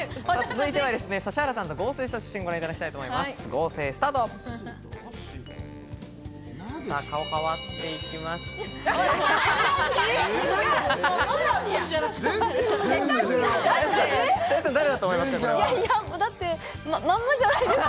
続いては指原さんとの合成写真、ご覧いただきたいと思います。